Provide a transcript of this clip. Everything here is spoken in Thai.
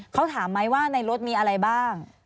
เขาถามไหมว่าในรถมีอะไรบ้าง